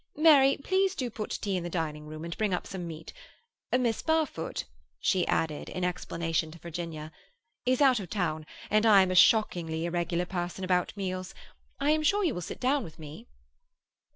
Mary, please do put tea in the dining room, and bring up some meat—Miss Barfoot," she added, in explanation to Virginia, "is out of town, and I am a shockingly irregular person about meals. I am sure you will sit down with me?"